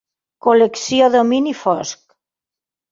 Col·lecció Domini Fosc.